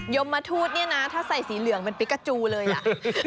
มทูตเนี่ยนะถ้าใส่สีเหลืองเป็นปิกาจูเลยอ่ะ